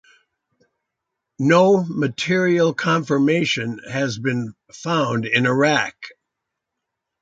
No material confirmation has been found in Iraq.